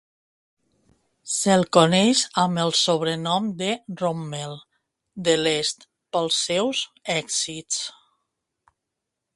Se'l coneix amb el sobrenom de "Rommel de l'est" pels seus èxits.